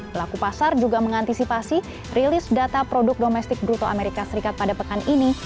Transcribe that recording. pelaku pasar juga mengantisipasi rilis data produk domestik bruto amerika serikat pada pekan ini